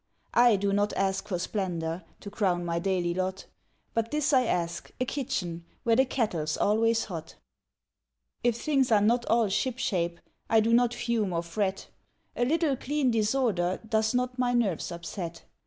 I do not ask for splendor To crown my daily lot, But this I ask a kitchen Where the kettle's always hot. If things are not all ship shape, I do not fume or fret, A little clean disorder Does not my nerves upset.